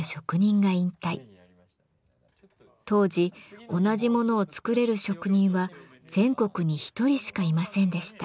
当時同じ物を作れる職人は全国に１人しかいませんでした。